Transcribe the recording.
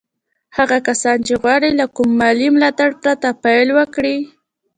هغه کسان چې غواړي له کوم مالي ملاتړ پرته پيل وکړي.